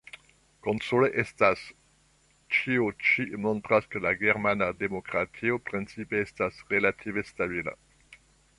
Konsole estas: ĉio ĉi montras, ke la germana demokratio principe estas relative stabila.